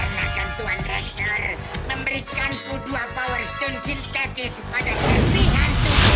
karena tuan raksasa memberi aku dua power stone sintetis pada serpihantuni